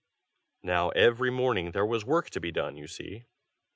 Now every morning there was the work to be done, you see.